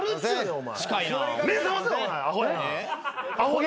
お前！